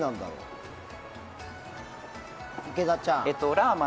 ラーマ？